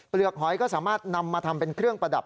กหอยก็สามารถนำมาทำเป็นเครื่องประดับ